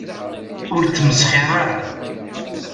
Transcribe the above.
Ur tmesxir ara.